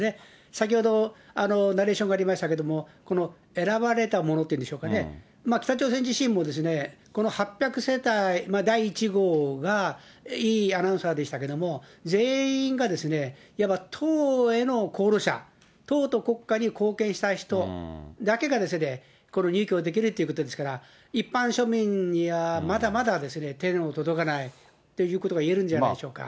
先ほど、ナレーションがありましたけど、この選ばれた者っていうんでしょうかね、北朝鮮自身も、この８００世帯、第１号がリアナウンサーでしたけれども、全員がいわば党への功労者、党と国家に貢献した人だけが入居できるということですから、一般庶民にはまだまだ手の届かないということが言えるんじゃないでしょうか。